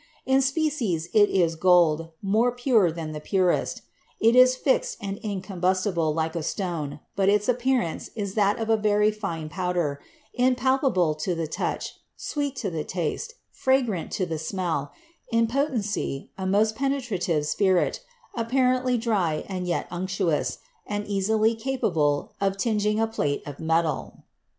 In species it is gold, more pure than the purest; it is fixed and incombusti ble like a stone, but its appearance is that of a very fine powder, impalpable to the touch, sweet to the taste, fragrant to the smell, in potency a most penetra tive spirit, apparently dry and yet unctuous, and easily capable of tinging a plate of metal."